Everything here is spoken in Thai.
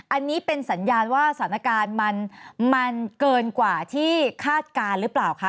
อันนี้เป็นสัญญาณว่าสถานการณ์มันเกินกว่าที่คาดการณ์หรือเปล่าคะ